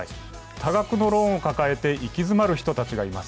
多額のローンを抱えて行き詰まる人たちがいます。